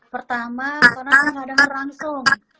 pertama karena kadang kadang langsung